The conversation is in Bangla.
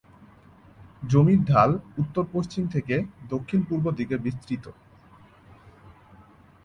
জমির ঢাল উত্তর-পশ্চিম থেকে দক্ষিণ-পূর্ব দিকে বিস্তৃত।